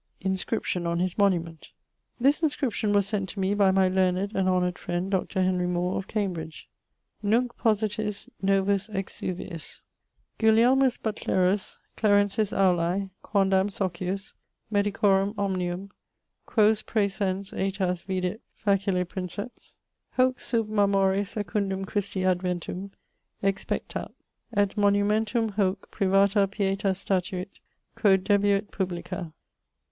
Inscription on his monument. This inscription was sent to me by my learned and honoured friend, Dr. Henry More, of Cambridge. [Illustration: Nunc positis novus exuviis] Gulielmus Butlerus, Clarensis Aulae quondam Socius, Medicorum omnium quos praesens aetas vidit facile princeps, hoc sub marmore secundum Christi adventum expectat, et monumentum hoc privata pietas statuit, quod debuit publica.